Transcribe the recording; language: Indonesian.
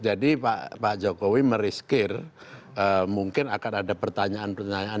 jadi pak jokowi meriskir mungkin akan ada pertanyaan pertanyaan